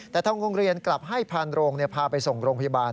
แต่ทางโรงเรียนกลับให้พานโรงพาไปส่งโรงพยาบาล